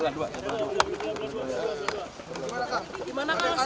ada yang mau sabar kan